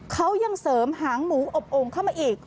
เขายังเสริมหางหมูอบโอ่งเข้ามาอีก